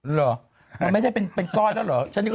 หรอไม่ได้เป็นก้อนเนอะเหรอ